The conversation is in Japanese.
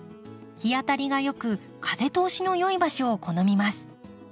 日当たりが良く風通しの良い場所を好みます。